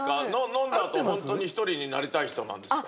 飲んだ後ホントに一人になりたい人なんですか？